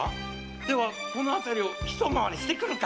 ではこの辺りをひと回りしてくるか！